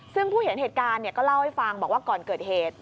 ซึ่งผู้เห็นเหตุการณ์ก็เล่าให้ฟังบอกว่าก่อนเกิดเหตุ